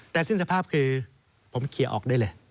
แต่สิ้นสภาพคือผมเคลียร์ออกได้เลย